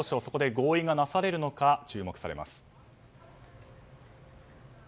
そこで合意がなされるのか注目されます。